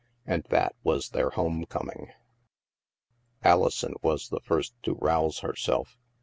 And that was their home coming ! Alison was the first to rouse herself.